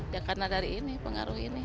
ya karena dari ini pengaruh ini